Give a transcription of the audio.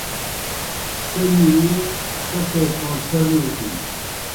سہ مِرِی سہ سے پوں چھر نوٹِھن۔